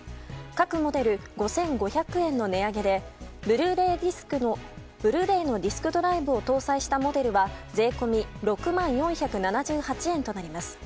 各モデル５５００円の値上げでブルーレイのディスクドライブを搭載したモデルは税込み６万４７８円となります。